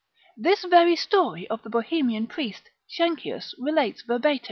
This very story of the Bohemian priest, Sckenkius relates verbatim, Exoter.